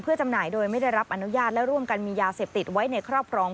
จำหน่ายโดยไม่ได้รับอนุญาตและร่วมกันมียาเสพติดไว้ในครอบครอง